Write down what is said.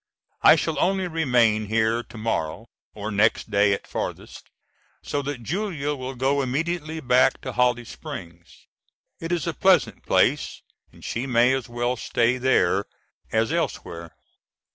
I shall only remain here to morrow, or next day at farthest; so that Julia will go immediately back to Holly Springs. It is a pleasant place and she may as well stay there as elsewhere.